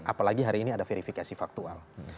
apalagi hari ini ada verifikasi faktual